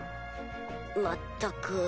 まったく。